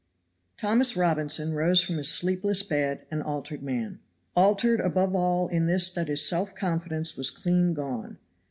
THOMAS ROBINSON rose from his sleepless bed an altered man; altered above all in this that his self confidence was clean gone.